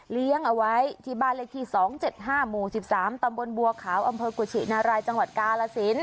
เอาไว้ที่บ้านเลขที่๒๗๕หมู่๑๓ตำบลบัวขาวอำเภอกุชินารายจังหวัดกาลสิน